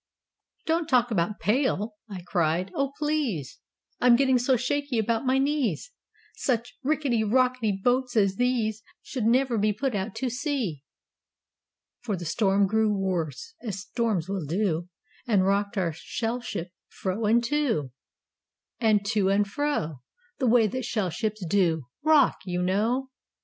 'Don't talk about "pale,"' I cried. 'Oh, please! I'm getting so shaky about my knees; Such rickety rockety boats as these Should never put out to sea.' For the storm grew worse As storms will do And rocked our shell ship Fro and to, Fro and to, And to and fro, The way that shell ships Rock, you know.